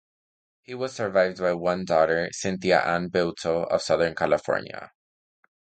He was survived by one daughter, Cynthia Ann Beutel, of southern California.